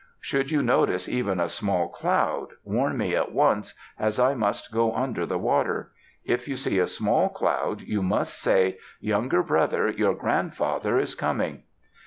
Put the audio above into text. Should you notice even a small cloud, warn me at once, as I must go under the water. If you see a small cloud, you must say, 'Younger brother, your grandfather is coming.'"